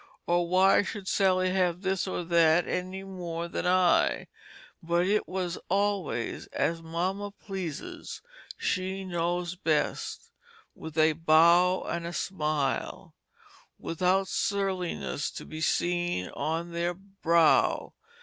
Or "Why should Sally have this or that any more than I;" but it was always "as Mama pleases, she knows best," with a Bow and a Smile, without Surliness to be seen on their Brow.